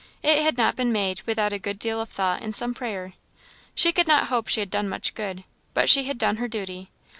It had not been made without a good deal of thought and some prayer. She could not hope she had done much good, but she had done her duty.